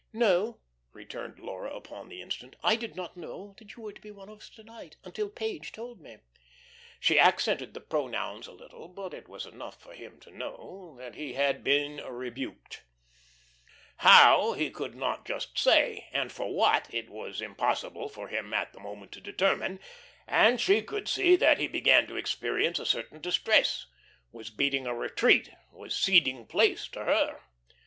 "No," returned Laura upon the instant, "I did not know you were to be one of us to night until Page told me." She accented the pronouns a little, but it was enough for him to know that he had been rebuked. How, he could not just say; and for what it was impossible for him at the moment to determine; and she could see that he began to experience a certain distress, was beating a retreat, was ceding place to her.